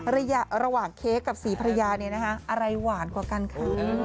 ระหว่างเค้กกับสีพริยาอะไรหวานกว่ากันคะ